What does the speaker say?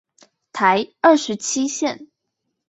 台二十七線